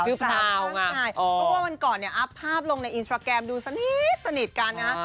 ข้างในเพราะว่าวันก่อนเนี่ยอัพภาพลงในอินสตราแกรมดูสนิทสนิทกันนะฮะ